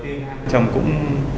vợ chồng cũng